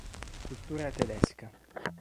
Cultura tedesca